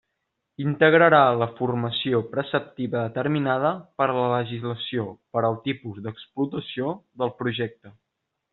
Integrarà la formació preceptiva determinada per la legislació per al tipus d'explotació del projecte.